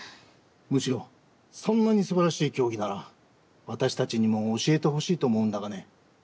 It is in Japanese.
むしろそんなにすばらしい教義なら私たちにも教えてほしいと思うんだがね。